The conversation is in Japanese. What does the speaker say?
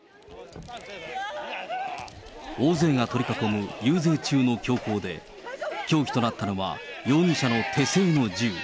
大勢が取り囲む遊説中の凶行で、凶器となったのは、容疑者の手製の銃。